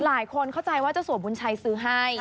หลายคนเข้าใจว่าเจ้าสัวบุญชัยซื้อให้